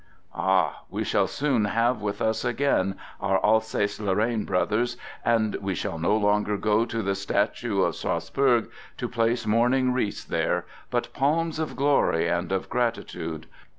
Ah! We shall soon have with us again our Alsace Lorraine brothers, and we shall no longer go to the statue of Strasbourg to place mourning wreaths there, but palms of glory and of gratitude.